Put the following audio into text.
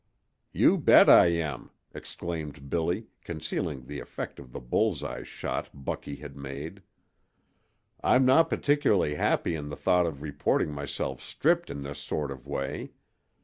"You bet I am," exclaimed Billy, concealing the effect of the bull's eye shot Bucky had made. "I'm not particularly happy in the thought of reporting myself stripped in this sort of way.